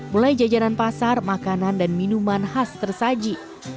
mulai jajanan pasar makanan dan minuman khas tersaji